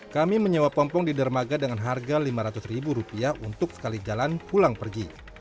kami menyewa pompong di dermaga dengan harga lima ratus ribu rupiah untuk sekali jalan pulang pergi